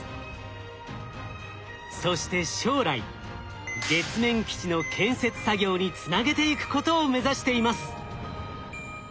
そして将来月面基地の建設作業につなげていくことを目指しています。